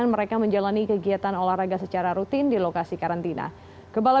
pagi ini kami sudah habis berolahraga